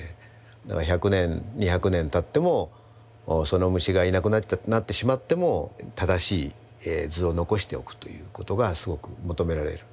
だから１００年２００年たってもその虫がいなくなってしまっても正しい図を残しておくということがすごく求められる。